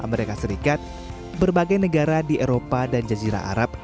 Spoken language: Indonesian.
amerika serikat berbagai negara di eropa dan jazirah arab